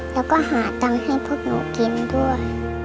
แล้วก็หาตังค์ให้พวกหนูกินด้วย